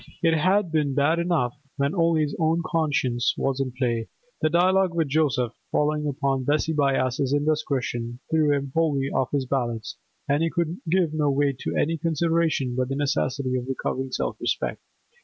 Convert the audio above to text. It had been bad enough when only his own conscience was in play; the dialogue with Joseph, following upon Bessie Byass's indiscretion, threw him wholly off his balance, and he could give no weight to any consideration but the necessity of recovering self respect.